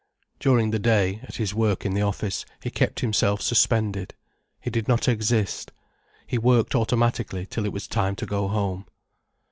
During the day, at his work in the office, he kept himself suspended. He did not exist. He worked automatically till it was time to go home.